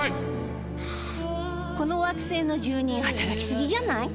この惑星の住人働きすぎじゃない？